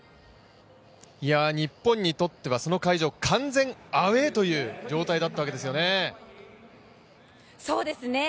日本にとっては、その会場、完全アウェーという状態だったわけですよね。